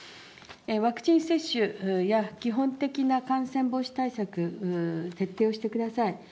ワクチン接種や基本的な感染防止対策、徹底をしてください。